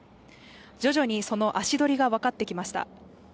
徐々にその足取りが分かってきました。